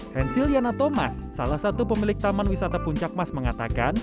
hensil yana thomas salah satu pemilik taman wisata puncak mas mengatakan